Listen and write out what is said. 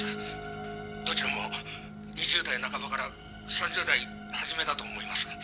「どちらも２０代半ばから３０代初めだと思います」